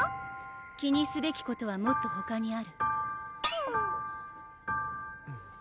気にすべきことはもっとほかにあるはう